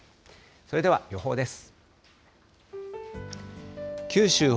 それでは予報です。